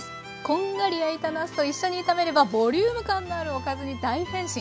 こんがり焼いたなすと一緒に炒めればボリューム感のあるおかずに大変身。